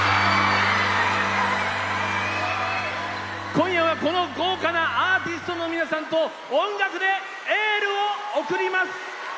今夜はこの豪華なアーティストの皆さんと音楽でエールを送ります！